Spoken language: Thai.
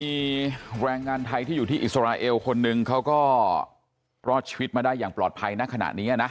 มีแรงงานไทยที่อยู่ที่อิสราเอลคนหนึ่งเขาก็รอดชีวิตมาได้อย่างปลอดภัยณขณะนี้นะ